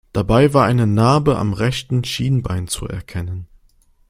Dabei war eine Narbe am rechten Schienbein zu erkennen.